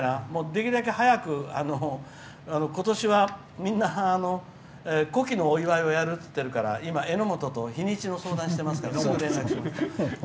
できるだけ早くことしはみんな古希のお祝いをやるって言ってるからえのもとと日にちの相談していますから。